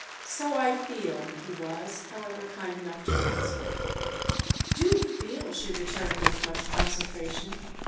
"So I feel!" he was, however, kind enough to answer. "Do feel!" she returned with much concentration.